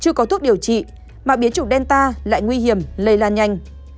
chưa có thuốc điều trị mà biến chủng delta lại nguy hiểm lây lan nhanh